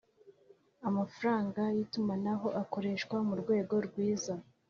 amafaranga y itumanaho akoreshwa mu rwego rwiza